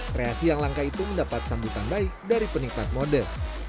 kreasi yang langka itu mendapat sambutan baik dari penikmat mode